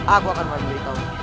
aku akan memberitahu